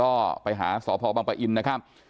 ก็ไปหาสพบังปะอินนะครับ